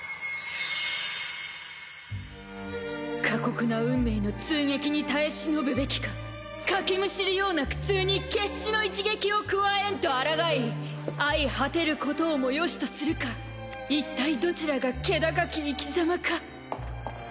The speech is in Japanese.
過酷な運命の痛撃に耐え忍ぶべきかかきむしるような苦痛に決死の一撃を加えんとあらがい相果てることをもよしとするか一体どちらが気高き生きざまか。